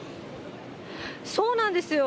そうなんですよ。